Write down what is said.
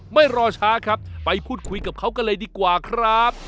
ไม่รอช้าครับไปพูดคุยกับเขากันเลยดีกว่าครับ